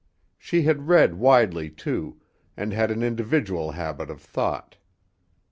She had read widely, too, and had an individual habit of thought.